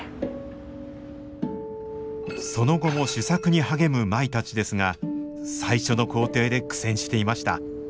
その後も試作に励む舞たちですが最初の工程で苦戦していました。